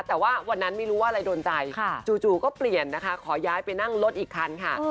แต่ว่าวันนั้นไม่รู้ว่าอะไรโดนใจจู่ก็เปลี่ยนนะคะขอย้ายไปนั่งรถอีกคันค่ะ